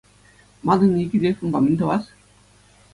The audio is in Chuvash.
Манӑн икӗ телефонпа мӗн тӑвас?